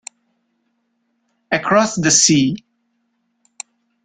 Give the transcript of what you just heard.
Across the Sea